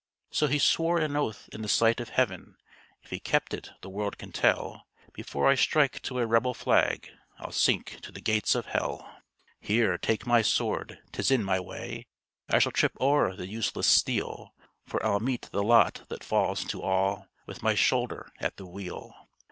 So he swore an oath in the sight of Heaven, If he kept it the world can tell: "Before I strike to a rebel flag, I'll sink to the gates of hell! "Here, take my sword; 'tis in my way; I shall trip o'er the useless steel; For I'll meet the lot that falls to all With my shoulder at the wheel."